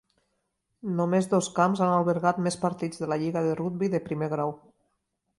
Només dos camps han albergat més partits de la lliga de rugbi de primer grau.